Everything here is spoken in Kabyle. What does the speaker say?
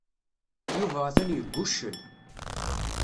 Yuba atan yegguccel.